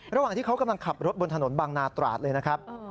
ระหว่างที่เขากำลังขับรถบนถนนบางนาตราดเลยนะครับ